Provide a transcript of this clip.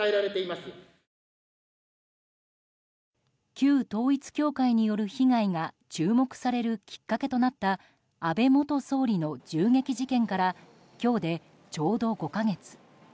旧統一教会による被害が注目されるきっかけとなった安倍元総理の銃撃事件から今日でちょうど５か月。